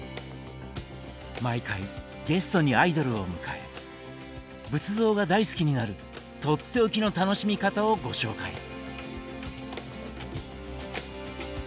毎回ゲストにアイドルを迎え仏像が大好きになるとっておきの楽しみ方をご紹介。